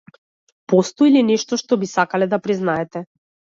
Постои ли нешто што би сакале да признаете?